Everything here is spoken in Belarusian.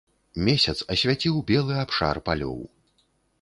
Месяц асвяціў белы абшар палёў.